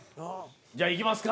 じゃあいきますか。